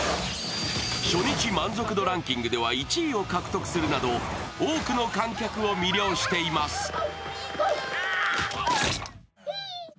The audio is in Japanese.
初日満足度ランキングでは１位を獲得するなど多くの観客を魅了しています。